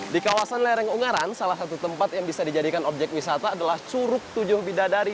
di kawasan lereng ungaran salah satu tempat yang bisa dijadikan objek wisata adalah curug tujuh bidadari